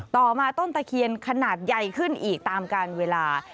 ต่อมาต้นตะเคียนขนาดใหญ่ขึ้นอีกตามการเวลา